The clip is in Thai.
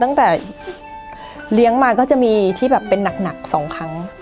ตั้งแต่เลี้ยงมาก็จะมีที่แบบเป็นหนัก๒ครั้ง